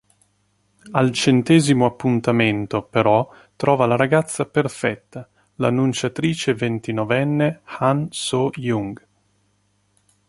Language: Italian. Al centesimo appuntamento, però, trova la ragazza perfetta, l'annunciatrice ventinovenne Han Soo-jung.